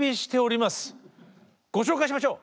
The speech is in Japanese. ご紹介しましょう。